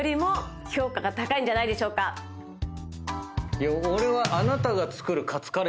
いや俺は。